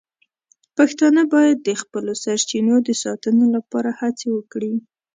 پښتانه باید د خپلو سرچینو د ساتنې لپاره هڅې وکړي.